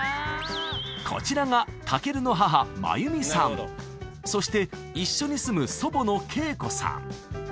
こちらがたけるの母真由美さんそして一緒に住む祖母の敬子さん